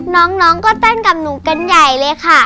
น้องก็เต้นกับหนูกันใหญ่เลยค่ะ